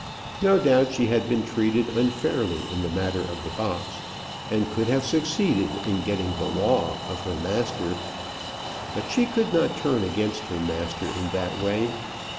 No doubt she had been treated unfairly in the matter of the box, and could have succeeded in getting the law of her master. But she could not turn against her master in that way.